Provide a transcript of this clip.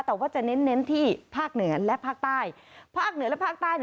แต่ว่าจะเน้นที่ภาคเหนือและภาคใต้ภาคเหนือและภาคใต้